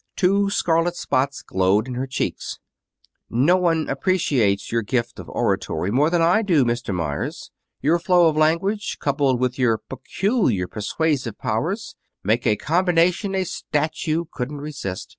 Two scarlet spots glowed in her cheeks. "No one appreciates your gift of oratory more than I do, Mr. Meyers. Your flow of language, coupled with your peculiar persuasive powers, make a combination a statue couldn't resist.